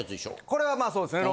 これはまあそうですね。